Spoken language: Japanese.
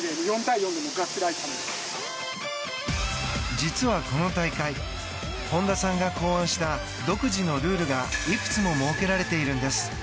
実は、この大会本田さんが考案した独自のルールがいくつも設けられているんです。